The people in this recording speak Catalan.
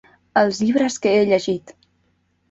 Els llibres que he llegit.